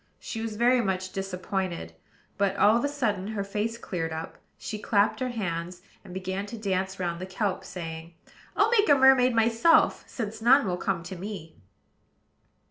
She was very much disappointed; but, all of a sudden, her face cleared up, she clapped her hands, and began to dance round the kelp, saying: "I'll make a mermaid myself, since none will come to me."